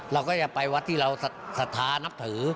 เราก็จะไปวัดที่เราศรัทธานับถือ